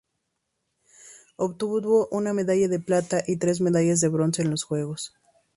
Obtuvo una medalla de plata y tres medallas de bronce en los juegos.